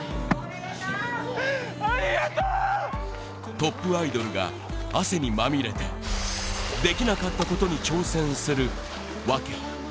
トップアイドルが汗にまみれてできなかったことに挑戦する訳